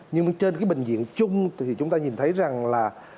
nhưng mà trên cái bệnh viện chung thì chúng ta nhìn thấy rằng là